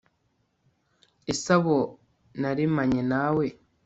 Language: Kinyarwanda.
ese abo naremanye nawe